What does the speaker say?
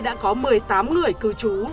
đã có một mươi tám người cư trú